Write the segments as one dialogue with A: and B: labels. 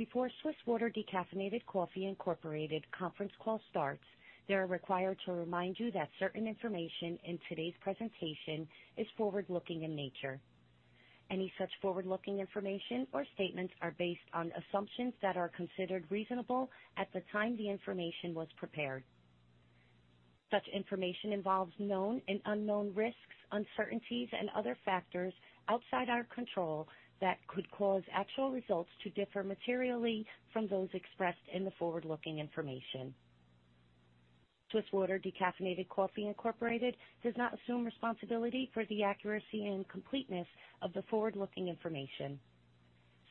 A: Before Swiss Water Decaffeinated Coffee Inc. conference call starts, they are required to remind you that certain information in today's presentation is forward-looking in nature. Any such forward-looking information or statements are based on assumptions that are considered reasonable at the time the information was prepared. Such information involves known and unknown risks, uncertainties, and other factors outside our control that could cause actual results to differ materially from those expressed in the forward-looking information. Swiss Water Decaffeinated Coffee Inc. does not assume responsibility for the accuracy and completeness of the forward-looking information.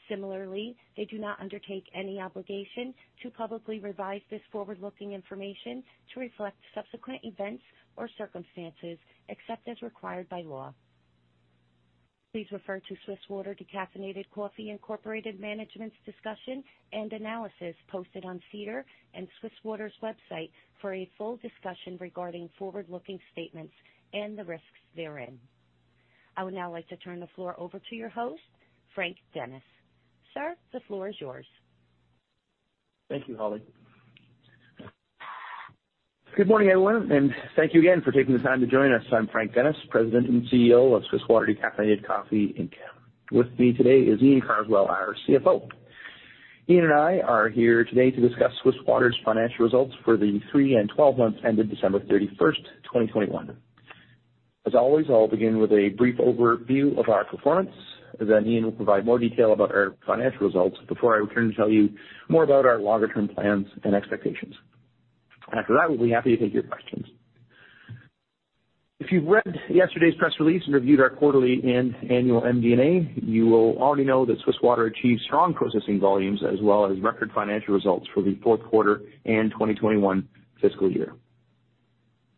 A: Similarly, they do not undertake any obligation to publicly revise this forward-looking information to reflect subsequent events or circumstances except as required by law. Please refer to Swiss Water Decaffeinated Coffee Inc. management's discussion and analysis posted on SEDAR and Swiss Water's website for a full discussion regarding forward-looking statements and the risks therein. I would now like to turn the floor over to your host, Frank Dennis. Sir, the floor is yours.
B: Thank you, Holly. Good morning, everyone, and thank you again for taking the time to join us. I'm Frank Dennis, President and CEO of Swiss Water Decaffeinated Coffee Inc. With me today is Iain Carswell, our CFO. Iain and I are here today to discuss Swiss Water's financial results for the three and twelve months ended December 31, 2021. As always, I'll begin with a brief overview of our performance. Then Iain will provide more detail about our financial results before I return to tell you more about our longer-term plans and expectations. After that, we'll be happy to take your questions. If you've read yesterday's press release and reviewed our quarterly and annual MD&A, you will already know that Swiss Water achieved strong processing volumes as well as record financial results for the fourth quarter and 2021 fiscal year.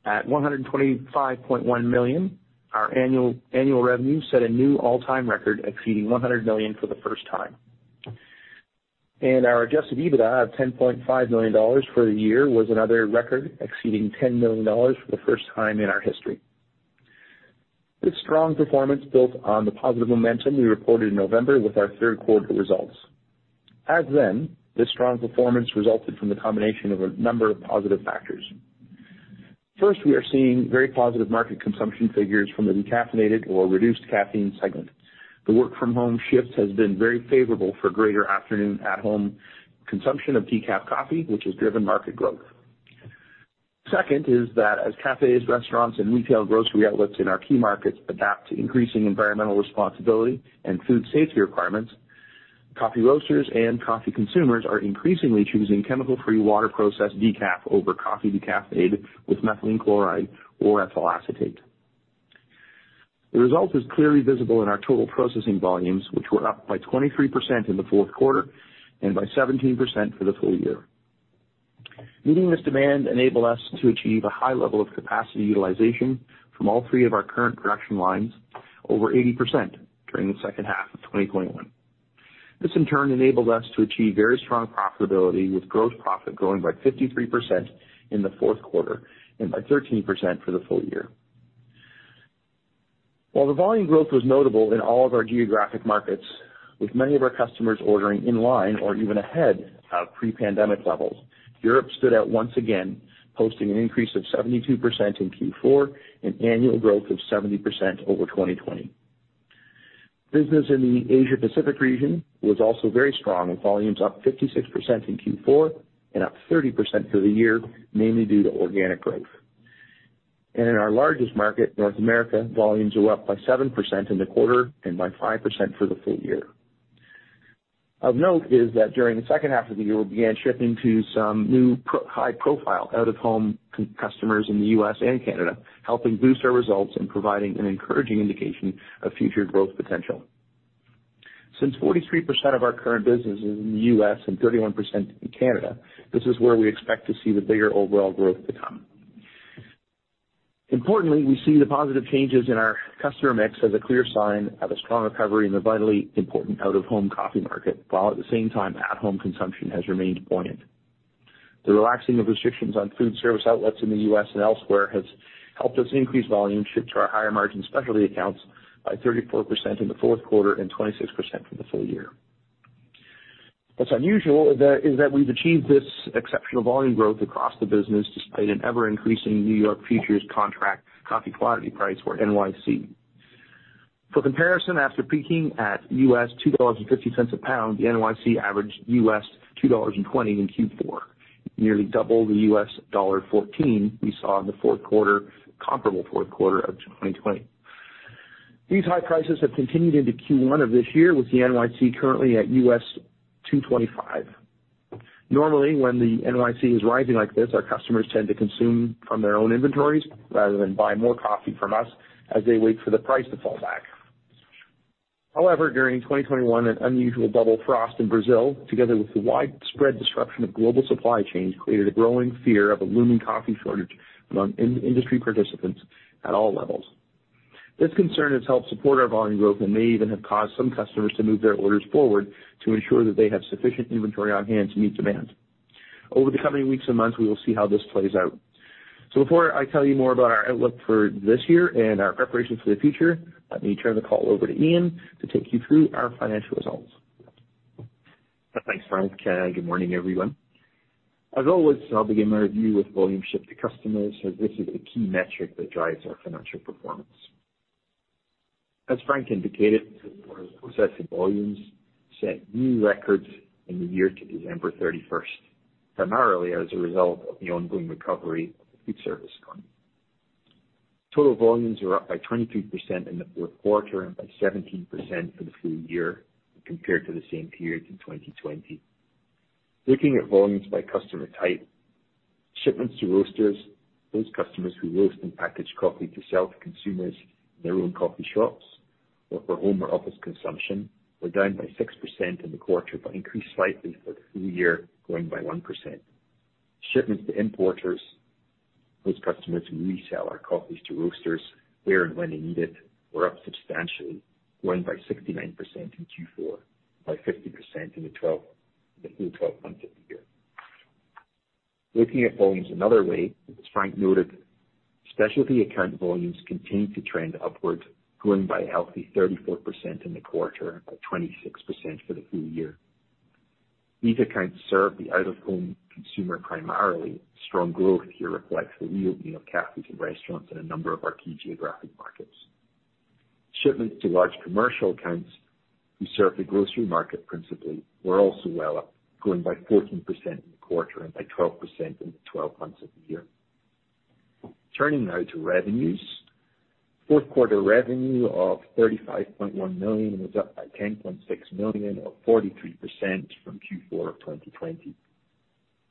B: At 125.1 million, our annual revenue set a new all-time record, exceeding 100 million for the first time. Our adjusted EBITDA of 10.5 million dollars for the year was another record, exceeding 10 million dollars for the first time in our history. This strong performance built on the positive momentum we reported in November with our third quarter results. Since then, this strong performance resulted from the combination of a number of positive factors. First, we are seeing very positive market consumption figures from the decaffeinated or reduced caffeine segment. The work from home shift has been very favorable for greater afternoon at home consumption of decaf coffee, which has driven market growth. Second is that as cafes, restaurants, and retail grocery outlets in our key markets adapt to increasing environmental responsibility and food safety requirements, coffee roasters and coffee consumers are increasingly choosing chemical-free water process decaf over coffee decaffeinated with methylene chloride or ethyl acetate. The result is clearly visible in our total processing volumes, which were up by 23% in the fourth quarter and by 17% for the full year. Meeting this demand enabled us to achieve a high level of capacity utilization from all three of our current production lines, over 80% during the second half of 2021. This, in turn, enabled us to achieve very strong profitability, with gross profit growing by 53% in the fourth quarter and by 13% for the full year. While the volume growth was notable in all of our geographic markets, with many of our customers ordering in line or even ahead of pre-pandemic levels, Europe stood out once again, posting an increase of 72% in Q4 and annual growth of 70% over 2020. Business in the Asia Pacific region was also very strong, with volumes up 56% in Q4 and up 30% for the year, mainly due to organic growth. In our largest market, North America, volumes were up by 7% in the quarter and by 5% for the full year. Of note is that during the second half of the year, we began shipping to some new high-profile out-of-home customers in the U.S. and Canada, helping boost our results and providing an encouraging indication of future growth potential. Since 43% of our current business is in the U.S. and 31% in Canada, this is where we expect to see the bigger overall growth to come. Importantly, we see the positive changes in our customer mix as a clear sign of a strong recovery in the vitally important out-of-home coffee market, while at the same time, at-home consumption has remained buoyant. The relaxing of restrictions on food service outlets in the U.S. and elsewhere has helped us increase volume shipped to our higher margin specialty accounts by 34% in the fourth quarter and 26% for the full year. What's unusual is that we've achieved this exceptional volume growth across the business despite an ever-increasing New York Futures contract coffee quality price for NYC. For comparison, after peaking at $2.50 a pound, the NYC averaged $2.20 in Q4, nearly double the $1.14 we saw in the fourth quarter, comparable fourth quarter of 2020. These high prices have continued into Q1 of this year, with the NYC currently at $2.25. Normally, when the NYC is rising like this, our customers tend to consume from their own inventories rather than buy more coffee from us as they wait for the price to fall back. However, during 2021, an unusual double frost in Brazil, together with the widespread disruption of global supply chains, created a growing fear of a looming coffee shortage among in-industry participants at all levels. This concern has helped support our volume growth and may even have caused some customers to move their orders forward to ensure that they have sufficient inventory on hand to meet demand. Over the coming weeks and months, we will see how this plays out. Before I tell you more about our outlook for this year and our preparation for the future, let me turn the call over to Iain to take you through our financial results.
C: Thanks, Frank. Good morning, everyone. As always, I'll begin my review with volume shipped to customers, as this is a key metric that drives our financial performance. As Frank indicated, our processed volumes set new records in the year to December 31, primarily as a result of the ongoing recovery of the food service economy. Total volumes were up by 23% in the fourth quarter and by 17% for the full year compared to the same period in 2020. Looking at volumes by customer type, shipments to roasters, those customers who roast and package coffee to sell to consumers in their own coffee shops or for home or office consumption, were down by 6% in the quarter, but increased slightly for the full year, growing by 1%. Shipments to importers, those customers who resell our coffees to roasters where and when they need it, were up substantially, growing by 69% in Q4, by 50% in the full 12 months of the year. Looking at volumes another way, as Frank noted, specialty account volumes continued to trend upwards, growing by a healthy 34% in the quarter, up by 26% for the full year. These accounts serve the out-of-home consumer primarily. Strong growth here reflects the reopening of cafes and restaurants in a number of our key geographic markets. Shipments to large commercial accounts who serve the grocery market principally, were also well up, growing by 14% in the quarter and by 12% in the 12 months of the year. Turning now to revenues. Fourth quarter revenue of CAD 35.1 million was up by CAD 10.6 million, or 43% from Q4 of 2020.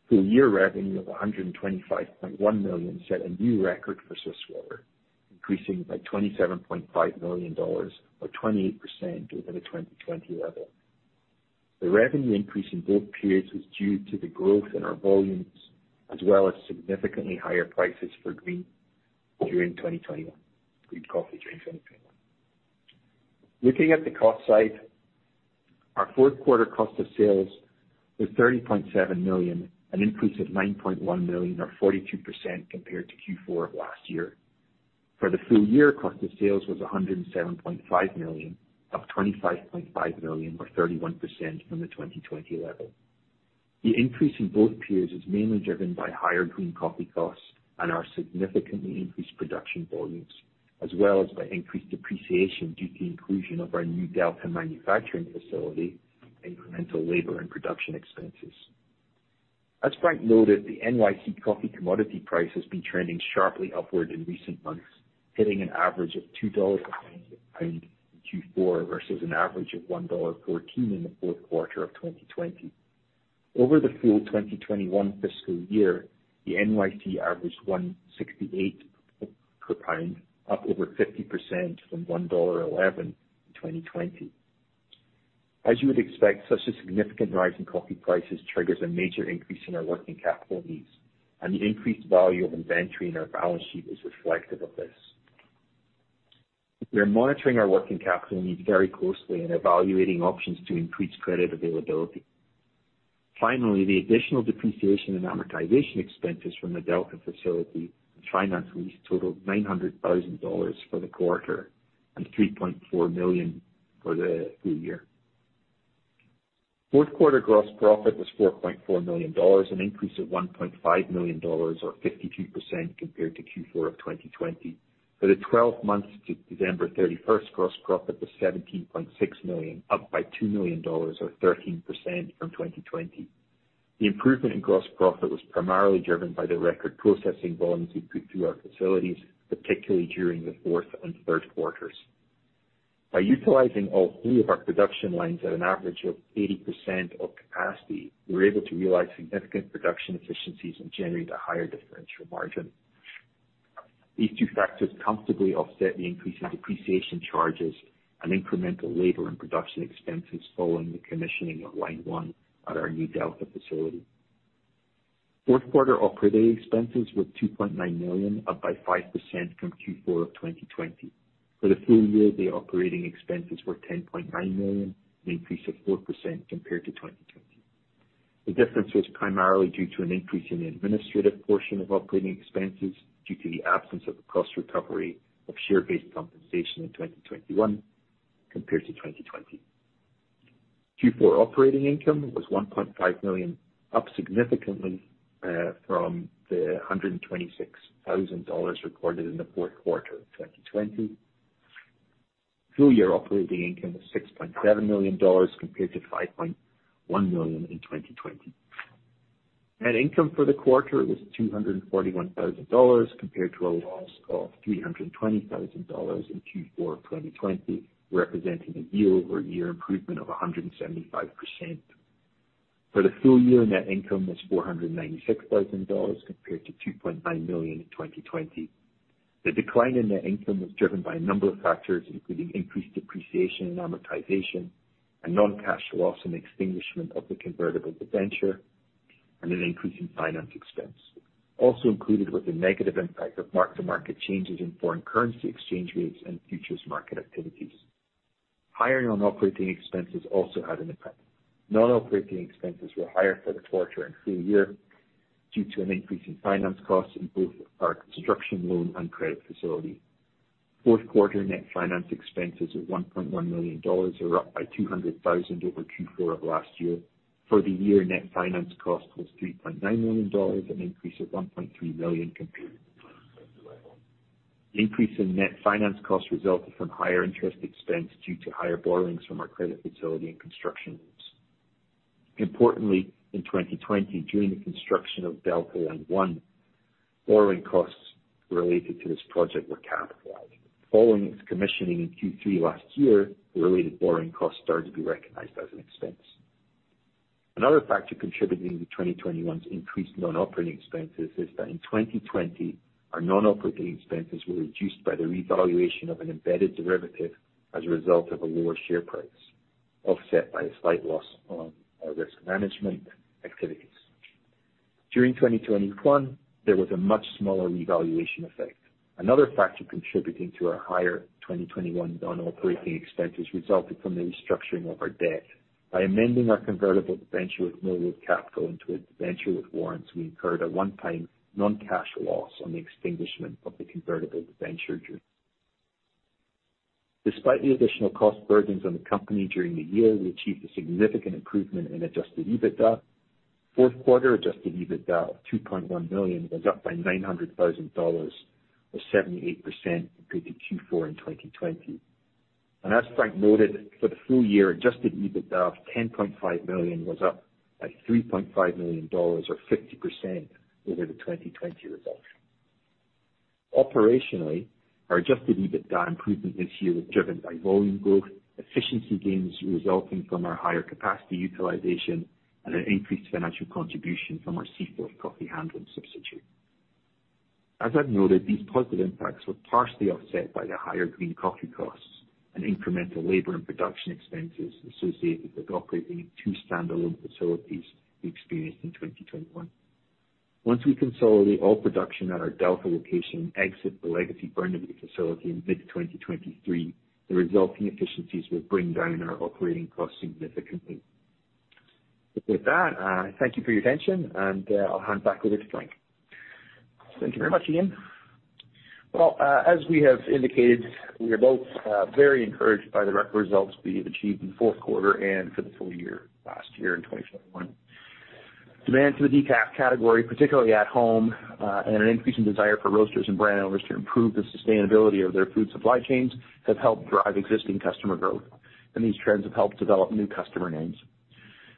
C: Full year revenue of CAD 125.1 million set a new record for Swiss Water, increasing by CAD 27.5 million or 28% over the 2020 level. The revenue increase in both periods was due to the growth in our volumes as well as significantly higher prices for green coffee during 2021. Looking at the cost side, our fourth quarter cost of sales was 30.7 million, an increase of 9.1 million or 42% compared to Q4 of last year. For the full year, cost of sales was 107.5 million, up 25.5 million or 31% from the 2020 level. The increase in both periods is mainly driven by higher green coffee costs and our significantly increased production volumes, as well as by increased depreciation due to the inclusion of our new Delta manufacturing facility, incremental labor and production expenses. As Frank noted, the NYC coffee commodity price has been trending sharply upward in recent months, hitting an average of $2 a pound in Q4 versus an average of $1.14 in the fourth quarter of 2020. Over the full 2021 fiscal year, the NYC averaged $1.68 per pound, up over 50% from $1.11 in 2020. As you would expect, such a significant rise in coffee prices triggers a major increase in our working capital needs, and the increased value of inventory in our balance sheet is reflective of this. We are monitoring our working capital needs very closely and evaluating options to increase credit availability. Finally, the additional depreciation and amortization expenses from the Delta facility and finance lease totaled 900,000 dollars for the quarter and 3.4 million for the full year. Fourth quarter gross profit was 4.4 million dollars, an increase of 1.5 million dollars or 52% compared to Q4 of 2020. For the 12 months to December 31, gross profit was 17.6 million, up by 2 million dollars or 13% from 2020. The improvement in gross profit was primarily driven by the record processing volumes we put through our facilities, particularly during the fourth and third quarters. By utilizing all three of our production lines at an average of 80% of capacity, we were able to realize significant production efficiencies and generate a higher differential margin. These two factors comfortably offset the increase in depreciation charges and incremental labor and production expenses following the commissioning of line one at our new Delta facility. Fourth quarter operating expenses were 2.9 million, up by 5% from Q4 of 2020. For the full year, the operating expenses were 10.9 million, an increase of 4% compared to 2020. The difference was primarily due to an increase in the administrative portion of operating expenses due to the absence of the cost recovery of share-based compensation in 2021 compared to 2020. Q4 operating income was 1.5 million, up significantly from the 126,000 dollars recorded in the fourth quarter of 2020. Full year operating income was 6.7 million dollars, compared to 5.1 million in 2020. Net income for the quarter was 241 thousand dollars, compared to a loss of 320 thousand dollars in Q4 of 2020, representing a year-over-year improvement of 175%. For the full year, net income was 496 thousand dollars, compared to 2.9 million in 2020. The decline in net income was driven by a number of factors, including increased depreciation and amortization and non-cash loss and extinguishment of the convertible debenture and an increase in finance expense. Also included was the negative impact of mark-to-market changes in foreign currency exchange rates and futures market activities. Higher non-operating expenses also had an impact. Non-operating expenses were higher for the quarter and full year due to an increase in finance costs in both our construction loan and credit facility. Fourth quarter net finance expenses of 1.1 million dollars are up by 200 thousand over Q4 of last year. For the year, net finance cost was 3.9 million dollars, an increase of 1.3 million compared to last year. The increase in net finance costs resulted from higher interest expense due to higher borrowings from our credit facility and construction loans. Importantly, in 2020, during the construction of Delta Line 1, borrowing costs related to this project were capitalized. Following its commissioning in Q3 last year, the related borrowing costs started to be recognized as an expense. Another factor contributing to 2021's increased non-operating expenses is that in 2020, our non-operating expenses were reduced by the revaluation of an embedded derivative as a result of a lower share price, offset by a slight loss on our risk management activities. During 2021, there was a much smaller revaluation effect. Another factor contributing to our higher 2021 non-operating expenses resulted from the restructuring of our debt. By amending our convertible debenture with Mill Road Capital into a debenture with warrants, we incurred a one-time non-cash loss on the extinguishment of the convertible debenture due. Despite the additional cost burdens on the company during the year, we achieved a significant improvement in adjusted EBITDA. Fourth quarter adjusted EBITDA of 2.1 million was up by 900,000 dollars, or 78% compared to Q4 in 2020. As Frank noted, for the full year, adjusted EBITDA of 10.5 million was up by 3.5 million dollars or 50% over the 2020 results. Operationally, our adjusted EBITDA improvement this year was driven by volume growth, efficiency gains resulting from our higher capacity utilization, and an increased financial contribution from our Seaforth coffee handling subsidiary. As I've noted, these positive impacts were partially offset by the higher green coffee costs and incremental labor and production expenses associated with operating two standalone facilities we experienced in 2021. Once we consolidate all production at our Delta location and exit the legacy Burnaby facility in mid-2023, the resulting efficiencies will bring down our operating costs significantly. With that, thank you for your attention, and I'll hand back over to Frank.
B: Thank you very much, Ian. Well, as we have indicated, we are both very encouraged by the direct results we have achieved in fourth quarter and for the full year, last year in 2021. Demand for the decaf category, particularly at home, and an increasing desire for roasters and brand owners to improve the sustainability of their food supply chains, have helped drive existing customer growth, and these trends have helped develop new customer names.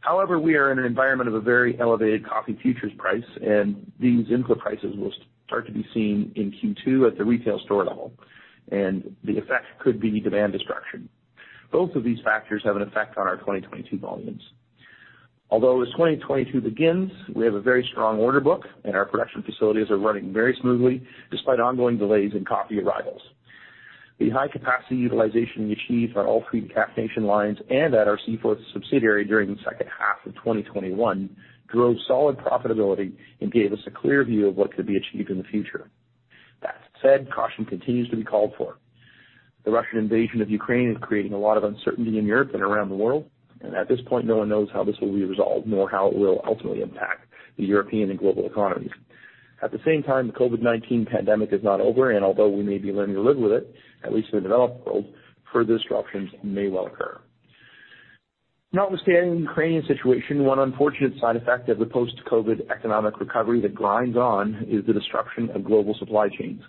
B: However, we are in an environment of a very elevated coffee futures price, and these input prices will start to be seen in Q2 at the retail store level, and the effect could be demand destruction. Both of these factors have an effect on our 2022 volumes. Although as 2022 begins, we have a very strong order book, and our production facilities are running very smoothly despite ongoing delays in coffee arrivals. The high capacity utilization we achieved on all three decaffeination lines and at our Seaforth subsidiary during the second half of 2021 drove solid profitability and gave us a clear view of what could be achieved in the future. That said, caution continues to be called for. The Russian invasion of Ukraine is creating a lot of uncertainty in Europe and around the world, and at this point, no one knows how this will be resolved, nor how it will ultimately impact the European and global economies. At the same time, the COVID-19 pandemic is not over, and although we may be learning to live with it, at least in the developed world, further disruptions may well occur. Notwithstanding the Ukrainian situation, one unfortunate side effect of the post-COVID economic recovery that grinds on is the disruption of global supply chains.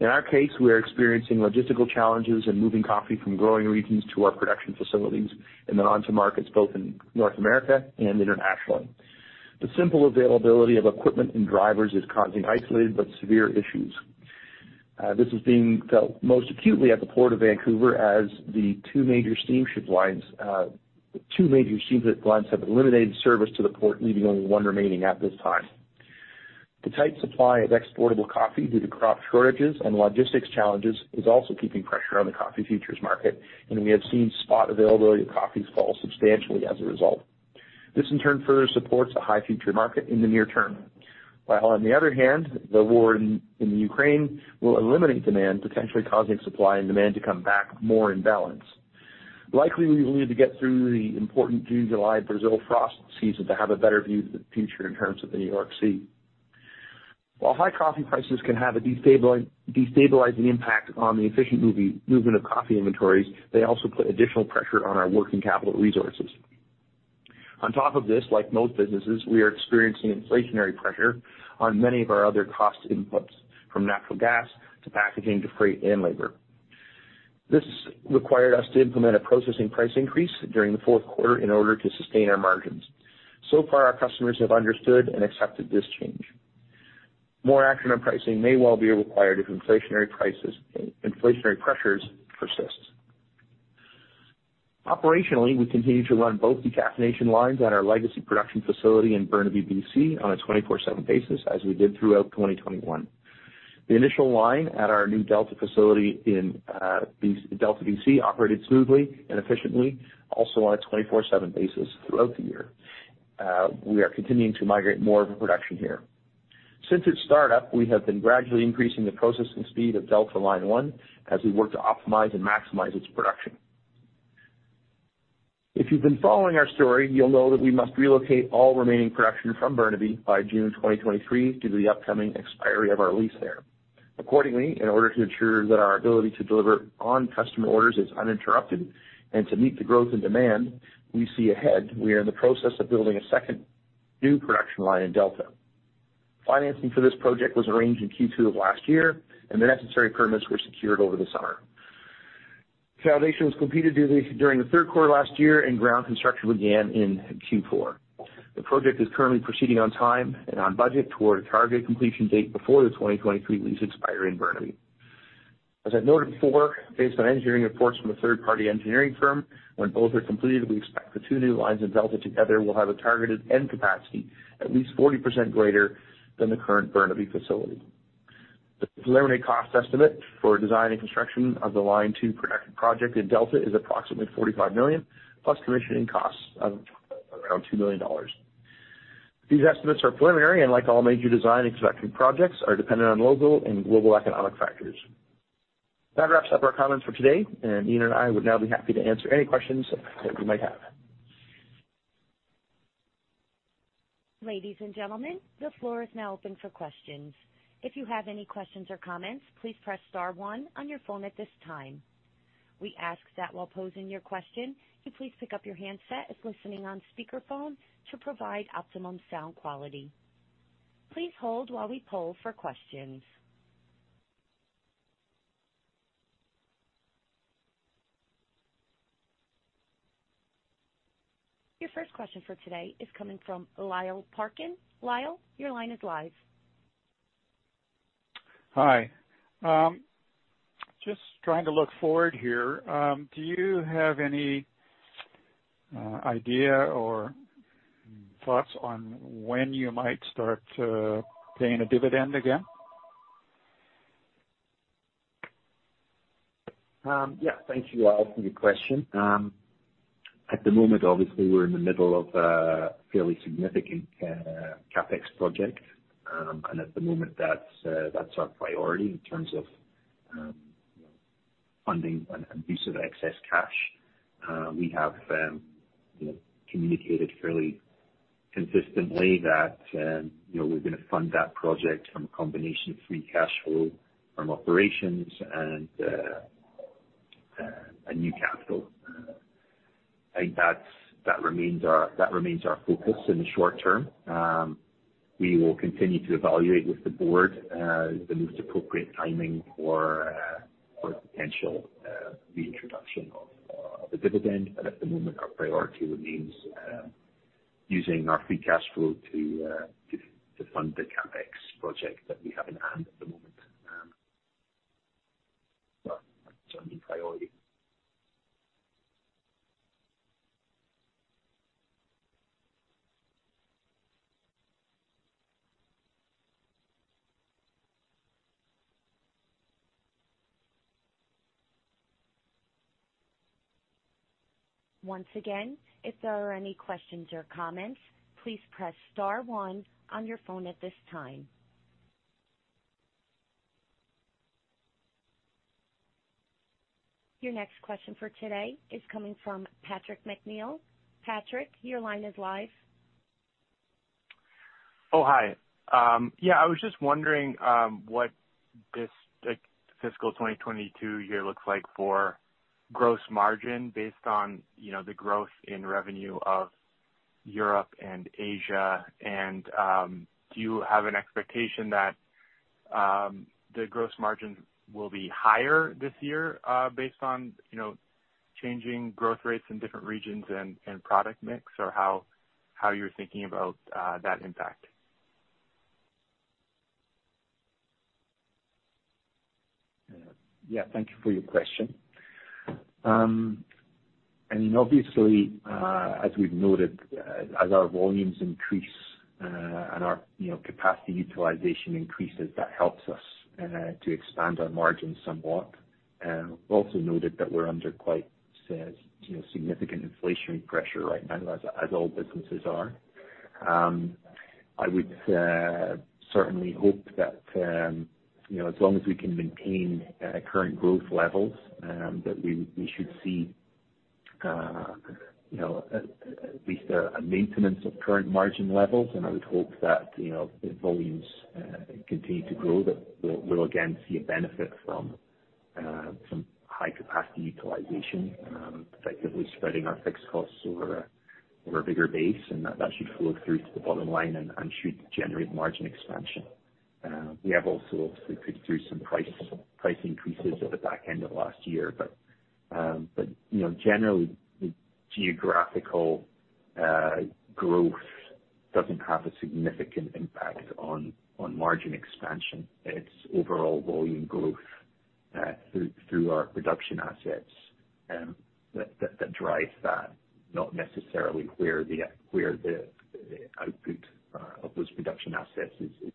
B: In our case, we are experiencing logistical challenges in moving coffee from growing regions to our production facilities and then onto markets both in North America and internationally. The simple availability of equipment and drivers is causing isolated but severe issues. This is being felt most acutely at the Port of Vancouver as the two major steamship lines have eliminated service to the port, leaving only one remaining at this time. The tight supply of exportable coffee due to crop shortages and logistics challenges is also keeping pressure on the coffee futures market, and we have seen spot availability of coffees fall substantially as a result. This in turn further supports a high future market in the near term. While on the other hand, the war in the Ukraine will eliminate demand, potentially causing supply and demand to come back more in balance. Likely we will need to get through the important June, July Brazil frost season to have a better view of the future in terms of the New York C. While high coffee prices can have a destabilizing impact on the efficient movement of coffee inventories, they also put additional pressure on our working capital resources. On top of this, like most businesses, we are experiencing inflationary pressure on many of our other cost inputs, from natural gas to packaging to freight and labor. This required us to implement a processing price increase during the fourth quarter in order to sustain our margins. So far, our customers have understood and accepted this change. More action on pricing may well be required if inflationary pressures persist. Operationally, we continue to run both decaffeination lines at our legacy production facility in Burnaby, BC on a 24/7 basis as we did throughout 2021. The initial line at our new Delta facility in Delta, BC operated smoothly and efficiently, also on a 24/7 basis throughout the year. We are continuing to migrate more of our production here. Since its startup, we have been gradually increasing the processing speed of Delta Line 1 as we work to optimize and maximize its production. If you've been following our story, you'll know that we must relocate all remaining production from Burnaby by June 2023 due to the upcoming expiry of our lease there. Accordingly, in order to ensure that our ability to deliver on customer orders is uninterrupted and to meet the growth and demand we see ahead, we are in the process of building a second new production line in Delta. Financing for this project was arranged in Q2 of last year, and the necessary permits were secured over the summer. Foundation was completed during the third quarter last year and ground construction began in Q4. The project is currently proceeding on time and on budget toward a target completion date before the 2023 lease expiry in Burnaby. As I noted before, based on engineering reports from a third party engineering firm, when both are completed, we expect the two new lines in Delta together will have a targeted end capacity at least 40% greater than the current Burnaby facility. The preliminary cost estimate for design and construction of the line two production project in Delta is approximately 45 million, plus commissioning costs of around 2 million dollars. These estimates are preliminary and like all major design and construction projects, are dependent on local and global economic factors. That wraps up our comments for today, and Ian and I would now be happy to answer any questions that you might have.
A: Ladies and gentlemen, the floor is now open for questions. If you have any questions or comments, please press star one on your phone at this time. We ask that while posing your question, you please pick up your handset if listening on speakerphone to provide optimum sound quality. Please hold while we poll for questions. Your first question for today is coming from Lyle Parkin. Lyle, your line is live.
D: Hi. Just trying to look forward here. Do you have any idea or thoughts on when you might start paying a dividend again?
C: Yeah, thank you, Lyle, for your question. At the moment, obviously we're in the middle of a fairly significant CapEx project, and at the moment that's our priority in terms of, you know, funding and use of excess cash. We have, you know, communicated fairly consistently that, you know, we're gonna fund that project from a combination of free cash flow from operations and a new capital. I think that remains our focus in the short term. We will continue to evaluate with the board the most appropriate timing for potential reintroduction of the dividend. At the moment, our priority remains using our free cash flow to fund the CapEx project that we have in hand at the moment. That's our main priority.
A: Once again, if there are any questions or comments, please press star one on your phone at this time. Your next question for today is coming from Patrick McNeil. Patrick, your line is live.
E: Oh, hi. Yeah, I was just wondering what this like fiscal 2022 year looks like for gross margin based on, you know, the growth in revenue of Europe and Asia. Do you have an expectation that the gross margin will be higher this year based on, you know, changing growth rates in different regions and product mix, or how you're thinking about that impact?
C: Yeah. Thank you for your question. I mean, obviously, as we've noted, as our volumes increase, and our, you know, capacity utilization increases, that helps us to expand our margins somewhat. Also noted that we're under quite, say, you know, significant inflationary pressure right now as all businesses are. I would certainly hope that, you know, as long as we can maintain current growth levels, that we should see, you know, at least a maintenance of current margin levels. I would hope that, you know, if volumes continue to grow, that we'll again see a benefit from some high capacity utilization, effectively spreading our fixed costs over a bigger base, and that should flow through to the bottom line and should generate margin expansion. We have also executed through some price increases at the back end of last year, but you know, generally geographical growth doesn't have a significant impact on margin expansion. It's overall volume growth through our production assets that drives that, not necessarily where the output of those production assets is.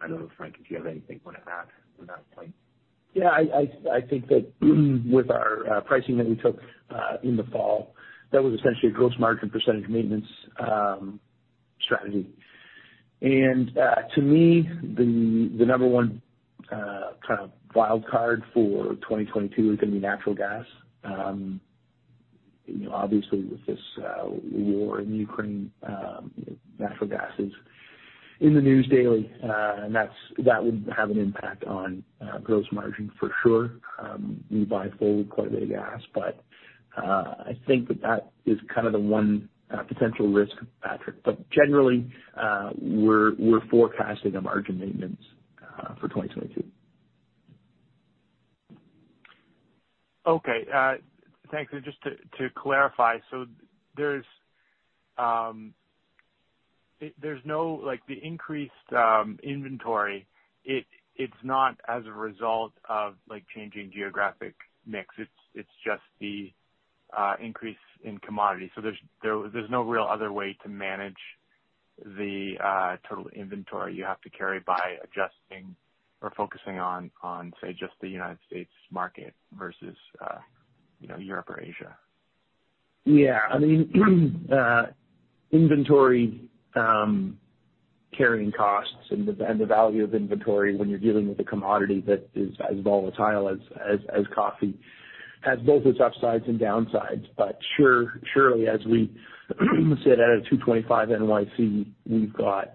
C: I don't know, Frank, if you have anything you wanna add on that point.
B: Yeah, I think that with our pricing that we took in the fall, that was essentially a gross margin percentage maintenance strategy. To me, the number one kind of wild card for 2022 is gonna be natural gas. You know, obviously with this war in Ukraine, natural gas is in the news daily. That would have an impact on gross margin for sure. We buy quite a bit of gas, but I think that is kind of the one potential risk, Patrick. Generally, we're forecasting a margin maintenance for 2022.
E: Okay. Thanks. Just to clarify, there's no like the increased inventory. It's not as a result of like changing geographic mix. It's just the increase in commodity. There's no real other way to manage the total inventory you have to carry by adjusting or focusing on, say, just the United States market versus, you know, Europe or Asia.
B: Yeah. I mean, inventory carrying costs and the value of inventory when you're dealing with a commodity that is as volatile as coffee has both its upsides and downsides. Surely, as we sit at a $2.25 NYC, we've got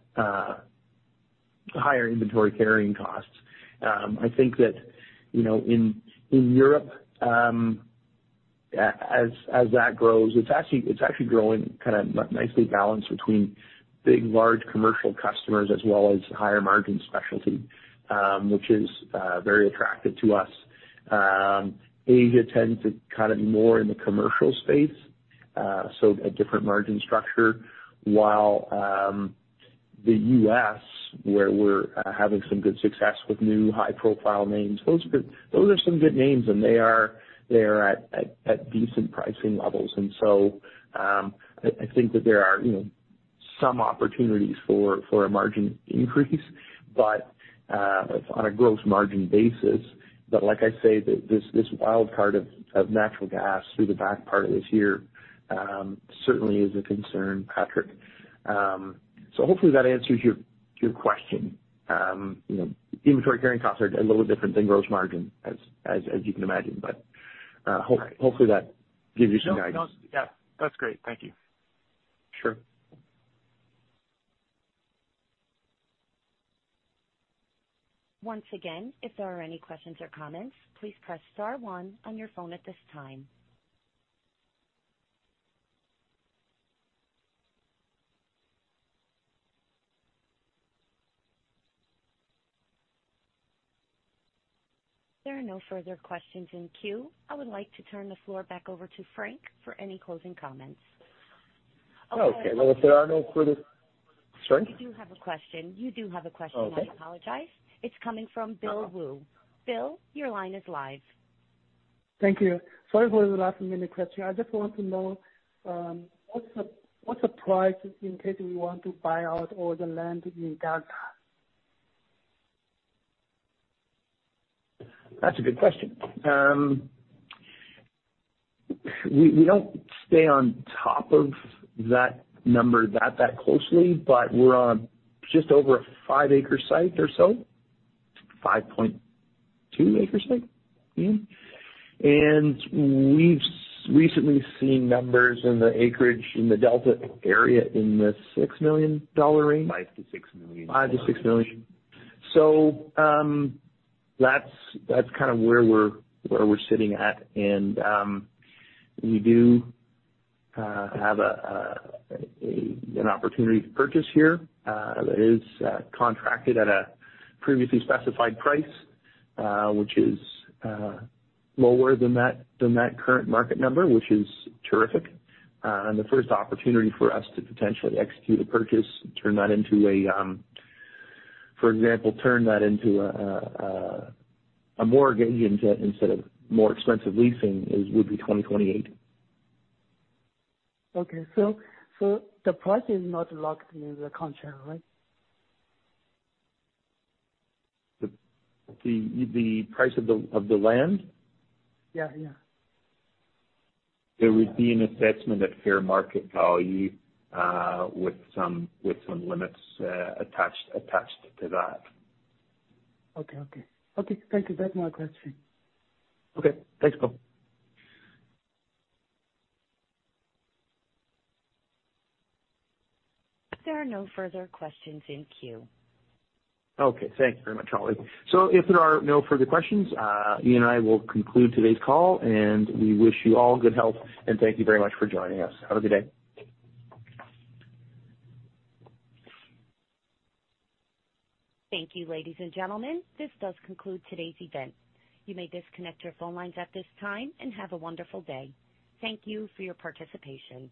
B: higher inventory carrying costs. I think that, you know, in Europe, as that grows, it's actually growing kind of nicely balanced between large commercial customers as well as higher margin specialty, which is very attractive to us. Asia tends to kind of be more in the commercial space, so a different margin structure. While the U.S., where we're having some good success with new high-profile names, those are some good names, and they are at decent pricing levels. I think that there are, you know, some opportunities for a margin increase, but on a gross margin basis. Like I say, this wildcard of natural gas through the back part of this year certainly is a concern, Patrick. Hopefully that answers your question. You know, inventory carrying costs are a little different than gross margin as you can imagine, but hopefully that gives you some guidance.
E: No, no. Yeah, that's great. Thank you.
B: Sure.
A: Once again, if there are any questions or comments, please press star one on your phone at this time. There are no further questions in queue. I would like to turn the floor back over to Frank for any closing comments.
B: Okay. Well, if there are no further. Sorry?
A: You do have a question.
B: Okay.
A: I apologize. It's coming from Bill Wu. Bill, your line is live.
F: Thank you. Sorry for the last-minute question. I just want to know, what's the price in case we want to buy out all the land in Delta?
B: That's a good question. We don't stay on top of that number that closely, but we're on just over a 5-acre site or so, 5.2-acre site. Iain? We've recently seen numbers in the acreage in the Delta area in the 6 million dollar range.
C: 5 million-6 million.
B: 5 million-6 million dollars. That's kind of where we're sitting at. We do have an opportunity to purchase here that is contracted at a previously specified price, which is lower than that current market number, which is terrific. The first opportunity for us to potentially execute a purchase and turn that into, for example, a mortgage instead of more expensive leasing would be 2028.
F: Okay. The price is not locked in the contract, right?
B: The price of the land?
F: Yeah, yeah.
B: There would be an assessment at fair market value, with some limits, attached to that.
F: Okay, okay. Okay, thank you. That's my question.
B: Okay. Thanks, Bill.
A: There are no further questions in queue.
B: Okay. Thanks very much, Holly. If there are no further questions, Ian and I will conclude today's call, and we wish you all good health, and thank you very much for joining us. Have a good day.
A: Thank you, ladies and gentlemen. This does conclude today's event. You may disconnect your phone lines at this time and have a wonderful day. Thank you for your participation.